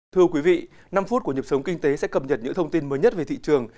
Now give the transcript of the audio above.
thưa quý vị năm phút của nhịp sống kinh tế sẽ cập nhật những thông tin mới nhất về thị trường